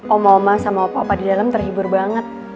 oma oma sama opa opa di dalam terhibur banget